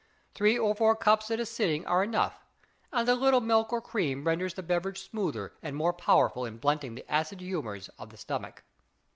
Three or four cups at a sitting are enough; and a little milk or cream renders the beverage smoother and more powerful in blunting the acid humors of the stomach.